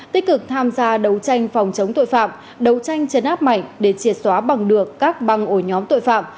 tích cực tham gia đấu tranh phòng chống tội phạm đấu tranh chấn áp mạnh để triệt xóa bằng được các băng ổ nhóm tội phạm